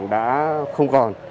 đã không còn